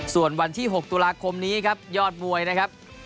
ส่วนวันที่๖ตุลาคมนี้ครับยอดมวยนะครับ